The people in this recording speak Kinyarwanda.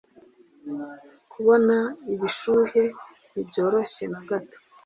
Kubona ibishuhe ntibyoroshye nagato